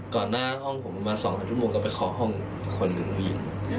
ก่อนหน้าห้องผมประมานสองถ้าจุดโมงก็ไปคอห้องคนหนึ่งบี